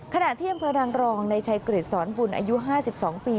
ขณะเที่ยงพลังรองในชายกริจสอนบุญอายุ๕๒ปี